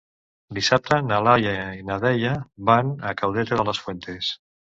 Dissabte na Laia i na Dèlia van a Caudete de las Fuentes.